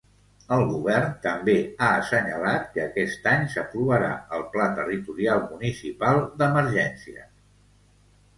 El Govern també ha assenyalat que aquest any s'aprovarà el Pla Territorial Municipal d'Emergències.